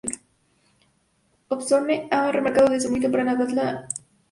Osborne ha remarcado, "Desde muy temprana edad yo estaba interesado en la música underground.